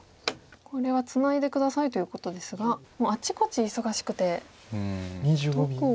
これはツナいで下さいということですがもうあちこち忙しくてどこを。